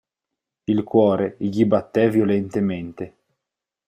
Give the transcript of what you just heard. Il cuore gli battè violentemente.